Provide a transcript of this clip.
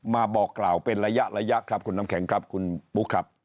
มาบอกกล่าวเป็นระยะระยะครับคุณน้ำแข็งครับคุณบุ๊คครับ